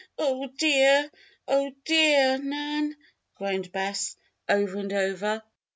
"Oh, dear! Oh, dear, Nan!" groaned Bess, over and over.